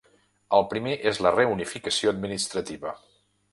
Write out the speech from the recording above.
El primer és la reunificació administrativa.